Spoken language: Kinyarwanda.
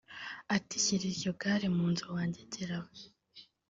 Ati “shyira iryo gare mu nzu wangegerawe